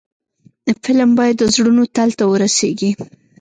فلم باید د زړونو تل ته ورسیږي